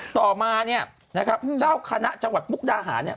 ต่อมาเนี่ยนะครับเจ้าคณะจังหวัดมุกดาหารเนี่ย